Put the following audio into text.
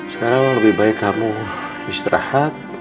sekarang lebih baik kamu istirahat